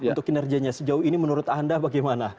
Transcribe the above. untuk kinerjanya sejauh ini menurut anda bagaimana